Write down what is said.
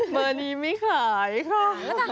เบอร์นี้ไม่ขายค่ะ